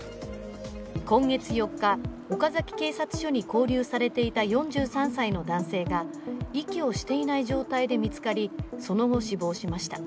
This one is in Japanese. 今月４日、岡崎警察署に勾留されていた４３歳の男性が息をしていない状況で見つかり、その後、死亡しました。